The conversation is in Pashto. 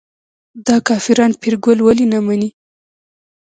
دا کافران پیرګل ولې نه مني.